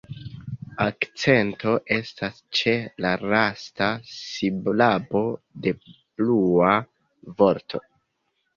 Akcento estas ĉe la lasta silabo de "Blua" vorto.